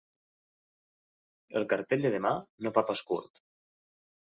El cartell de demà no fa pas curt.